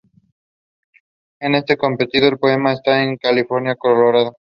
En este compendio de poemas está el de Carolina Coronado.